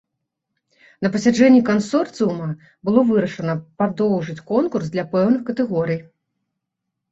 На пасяджэнні кансорцыума было вырашана падоўжыць конкурс для пэўных катэгорый.